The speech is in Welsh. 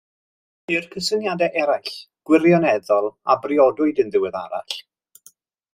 Ceir cysyniadau eraill, gwirioneddol a briodwyd yn ddiweddarach.